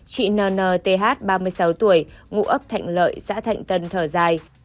chị nthth ba mươi sáu tuổi ngụ ấp thạnh lợi xã thạnh tân thở dài